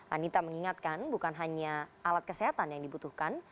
anita mengingatkan bukan hanya alat kesehatan yang dibutuhkan